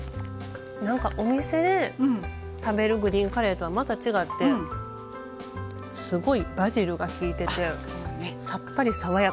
なんかお店で食べるグリーンカレーとはまた違ってすごいバジルがきいててさっぱり爽やか。